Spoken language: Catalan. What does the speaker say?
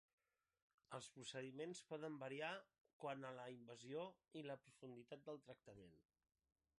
Els procediments poden variar quant a la invasió i la profunditat del tractament.